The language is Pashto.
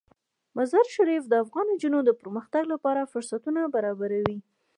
مزارشریف د افغان نجونو د پرمختګ لپاره فرصتونه برابروي.